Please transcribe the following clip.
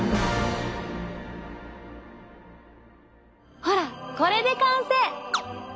ほらこれで完成！